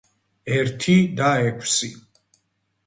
ერთი და ექვსი.